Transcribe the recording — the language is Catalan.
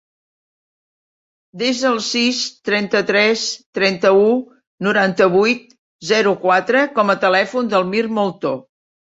Desa el sis, trenta-tres, trenta-u, noranta-vuit, zero, quatre com a telèfon del Mirt Molto.